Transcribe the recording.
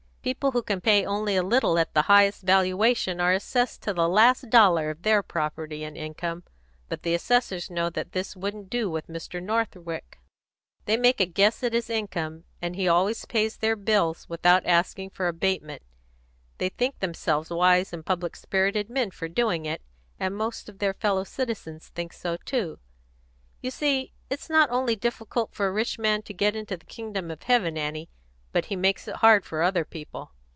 People who can pay only a little at the highest valuation are assessed to the last dollar of their property and income; but the assessors know that this wouldn't do with Mr. Northwick. They make a guess at his income, and he always pays their bills without asking for abatement; they think themselves wise and public spirited men for doing it, and most of their fellow citizens think so too. You see it's not only difficult for a rich man to get into the kingdom of heaven, Annie, but he makes it hard for other people.